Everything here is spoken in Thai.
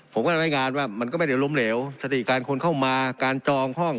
ผมก็รายงานว่ามันก็ไม่ได้ล้มเหลวสถิติการคนเข้ามาการจองห้อง